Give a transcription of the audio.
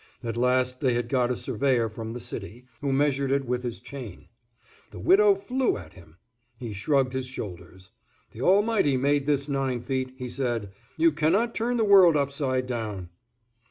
At last they had got a surveyor from the city, who measured it with his chain. The widow flew at him. He shrugged his shoulders. "The Almighty made this nine feet," he said, "you cannot turn the world upside down."